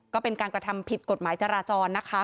ก็เป็นการกระทำผิดกฎหมายจราจรนะคะ